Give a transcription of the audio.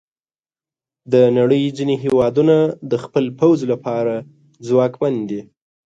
د نړۍ ځینې هیوادونه د خپل پوځ لپاره ځواکمن دي.